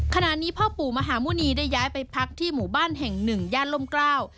ขณะนี้พ่อปู่มหาหมุณีได้ย้ายไปพักที่หมู่บ้านแห่งหนึ่งย่านล่มกล้า